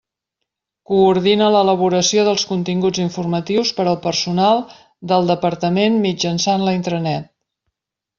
Coordina l'elaboració dels continguts informatius per al personal del Departament mitjançant la intranet.